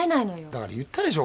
だから言ったでしょ